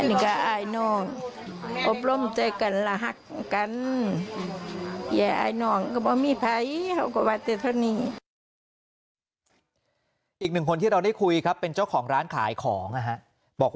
อีกหนึ่งคนที่เราได้คุยครับเป็นเจ้าของร้านขายของนะฮะบอก